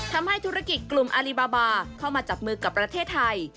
ทำให้ธุรกิจกลุ่มอลิบาบาเข้ามาจับมือกับประเทศไทย